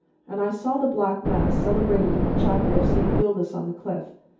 And I saw the Black Mass celebrated in the chapel of St. Gildas on the Cliff.